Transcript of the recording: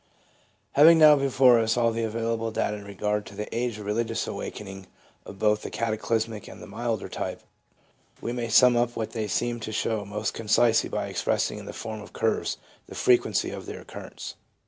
Having now before us all the available data in regard to the age of religious awakening of both the cataclysmic and the milder type, we may sum up what they seem to show most concisely by expressing in the form of curves the frequency of their occurrence.